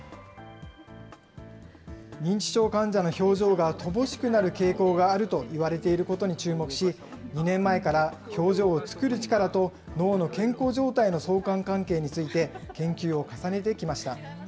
認知症患者の表情が乏しくなる傾向があるといわれていることに注目し、２年前から、表情を作る力と脳の健康状態の相関関係について、研究を重ねてきました。